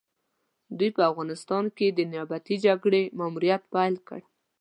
دوی په افغانستان کې د نيابتي جګړې ماموريت پيل کړ.